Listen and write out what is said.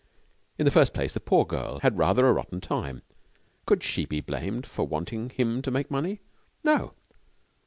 In the first place, the poor girl had rather a rotten time. Could she be blamed for wanting him to make money? No.